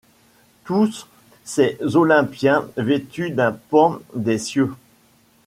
Tous ses olympiens vêtus d’un pan des cieux ;